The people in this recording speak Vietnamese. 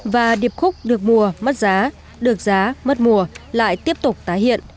và điệp khúc được mua mất giá được giá mất mùa lại tiếp tục tái hiện